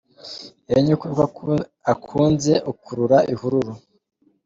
Iyo nyokobukwe akunze ukurura ihururu.